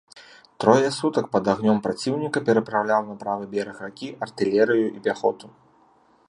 Трое сутак пад агнём праціўніка перапраўляў на правы бераг ракі артылерыю і пяхоту.